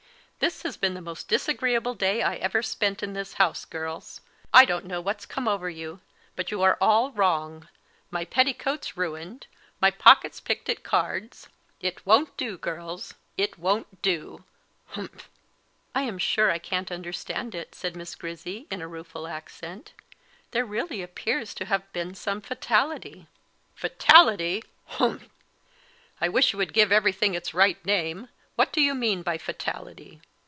"This has been the most disagreeable day I ever spent in this house, girls. I don't know what's come over you, but you are all wrong; my petticoat's ruined; my pockets picked at cards. It won't do, girls; it won't do humph!" "I am sure I can't understand it," said Miss Grizzy in a rueful accent; "there really appears to have been some fatality." "Fatality! humph! I wish you would give everything its right name. What do you mean by fatality?"